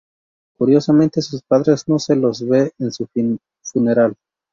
Curiosamente, sus padres no se los ve en su funeral.